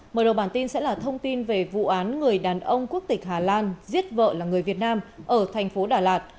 mở đầu bản tin sẽ là thông tin về vụ án người đàn ông quốc tịch hà lan giết vợ là người việt nam ở thành phố đà lạt